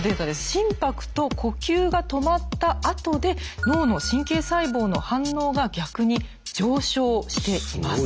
心拍と呼吸が止まったあとで脳の神経細胞の反応が逆に上昇しています。